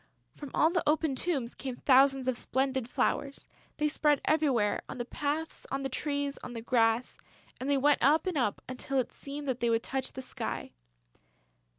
From all the open tombs came thousands of splendid flowers. They spread everywhere, on the paths, on the trees, on the grass; and they went up and up until it seemed that they would touch the sky.